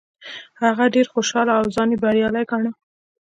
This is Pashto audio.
هغه ډیر خوشحاله و او ځان یې بریالی ګاڼه.